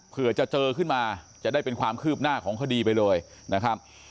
เพื่อจะเจอขึ้นมาจะได้เป็นความคืบหน้าของคดีไปเลยนะครับ